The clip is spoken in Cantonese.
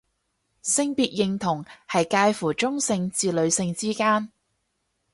性別認同係界乎中性至女性之間